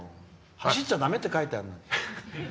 走っちゃだめって書いてあるのに。